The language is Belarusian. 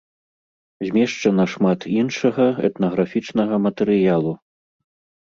Змешчана шмат іншага этнаграфічнага матэрыялу.